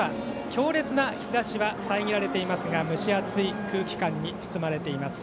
強烈な日ざしはさえぎられていますが蒸し暑い空気感に包まれています。